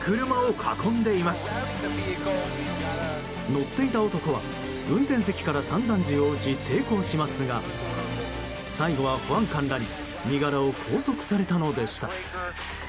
乗っていた男は運転席から散弾銃を撃ち、抵抗しますが最後は、保安官らに身柄を拘束されたのでした。